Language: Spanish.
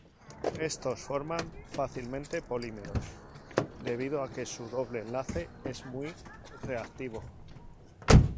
Éstos forman fácilmente polímeros debido a que su doble enlace es muy reactivo.